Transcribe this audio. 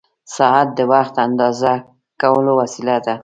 ساعت د وخت اندازه کولو وسیله ده.